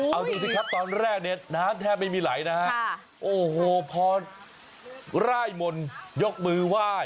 เอาดูสิครับตอนแรกเนี่ยน้ำแทบไม่มีไหลนะฮะโอ้โหพอร่ายมนต์ยกมือไหว้